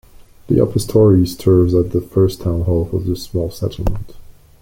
The upper story serves as the first town hall for the small settlement.